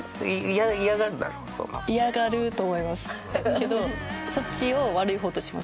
けどそっちを悪い方とします。